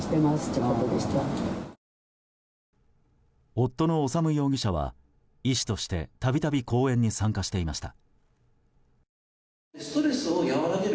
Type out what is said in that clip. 夫の修容疑者は医師としてたびたび講演に参加していました。